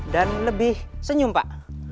dan lebih senyum pak